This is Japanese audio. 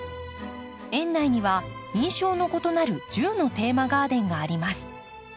園内には印象の異なる１０のテーマガーデンがあります。